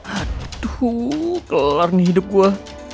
aduh kelar nih hidup gue